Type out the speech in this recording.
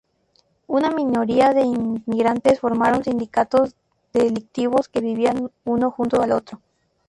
Una minoría de inmigrantes formaron sindicatos delictivos, que vivían uno junto al otro.